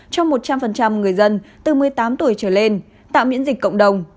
cho một trăm linh người dân từ một mươi tám tuổi trở lên tạo miễn dịch cộng đồng